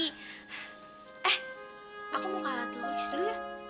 eh aku mau ke alat tulis dulu ya